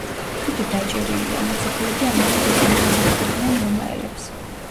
იგი დაჭერილია, მოციქულები ამაოდ ეწინააღმდეგებიან რომაელებს.